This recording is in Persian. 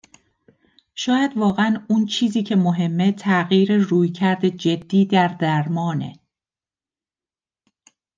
شاید واقعن اون چیزی که مهمه تغییر رویکرد جدی در درمانه.